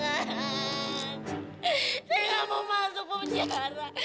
saya tidak mau masuk ke penjara